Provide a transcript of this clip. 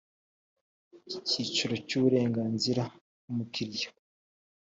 icyiciro cya uburenganzira bw umukiriya